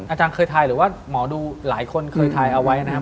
อาจารย์เคยทายหรือว่าหมอดูหลายคนเคยทายเอาไว้นะครับ